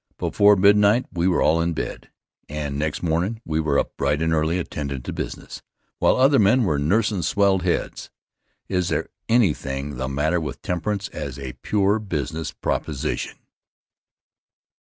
Before midnight we were all in bed, and next mornin' we were up bright and early attendin' to business, while other men were nursin' swelled heads. Is there anything the matter with temperance as a pure business proposition?